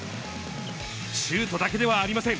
シュートだけではありません。